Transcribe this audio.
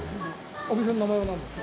お店の名前は何ですか。